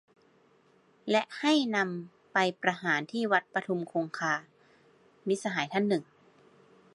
"และให้นำไปประหารที่วัดปทุมคงคา" - มิตรสหายท่านหนึ่ง